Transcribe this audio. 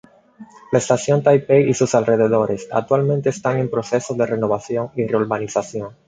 La Estación Taipei y sus alrededores actualmente están en proceso de renovación y reurbanización.